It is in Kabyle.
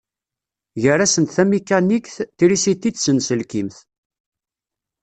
Gar-asent tamikanikt, trisiti d tsenselkimt.